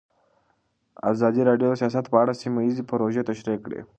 ازادي راډیو د سیاست په اړه سیمه ییزې پروژې تشریح کړې.